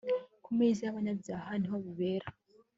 kumeza yabanyabyaha ni ho bibera